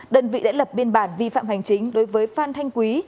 đơn vị đã lập biên bản vi phạm hành chính đối với phan thanh quý